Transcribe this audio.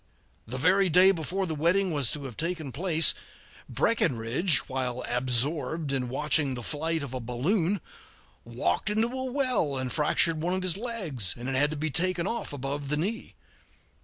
The very day before the wedding was to have taken place, Breckinridge, while absorbed in watching the flight of a balloon, walked into a well and fractured one of his legs, and it had to be taken off above the knee.